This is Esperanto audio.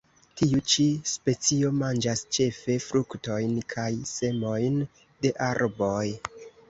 Tiu ĉi specio manĝas ĉefe fruktojn kaj semojn de arboj.